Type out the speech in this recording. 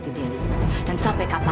tante ibu sudah selesai menikahkan aku